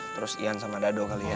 terus ian sama dado kali ya